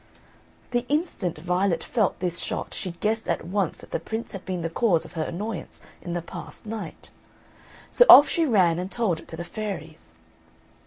The instant Violet felt this shot she guessed at once that the Prince had been the cause of her annoyance in the past night; so off she ran and told it to the fairies.